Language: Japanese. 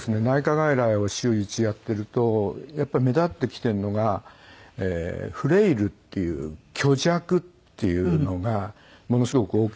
内科外来を週１やってるとやっぱり目立ってきてるのがフレイルっていう虚弱っていうのがものすごく。